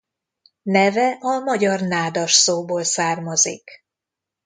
Neve a magyar nádas szóból származik.